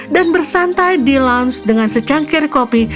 dan bersantai di lounge dengan secangkir kopi